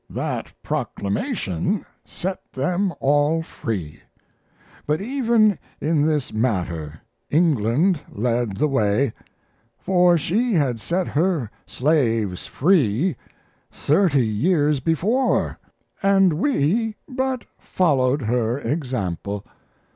That proclamation set them all free. But even in this matter England led the way, for she had set her slaves free thirty years before, and we but followed her example.